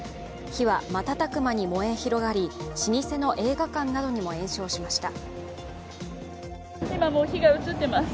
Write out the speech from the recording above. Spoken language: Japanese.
火は瞬く間に燃え広がり、老舗の映画館などにも延焼しました。